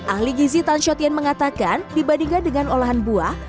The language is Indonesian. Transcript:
ahli gizi tan shotien mengatakan dibandingkan dengan olahan buah